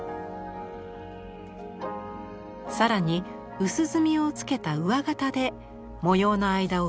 更に薄墨をつけた上形で模様の間を埋めていきます。